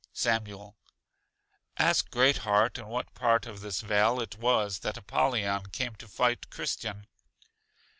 Samuel: Ask Great heart in what part of this vale it was that Apollyon came to fight Christian?